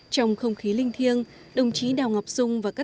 trong không khí linh thiêng đồng chí đào ngọc dung và các